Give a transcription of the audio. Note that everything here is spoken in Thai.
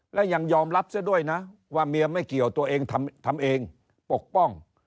และยังยอมรับเสียด้วยนะว่าเมียไม่เกี่ยวตัวเองทำเองปกป้อง